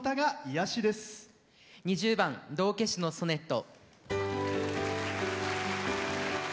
２０番「道化師のソネット」。